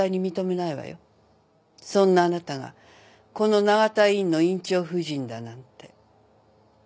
そんなあなたがこの永田医院の院長夫人だなんて。